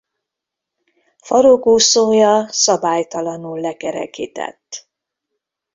Farokúszója szabálytalanul lekerekített.